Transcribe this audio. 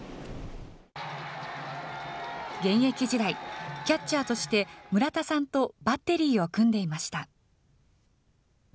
現役時代、キャッチャーとして村田さんとバッテリーを組んでいました。